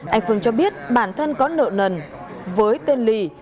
anh phương cho biết bản thân có nợ nần với tên lì